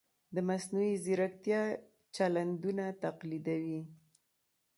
د مصنوعي ځیرکتیا چلندونه تقلیدوي.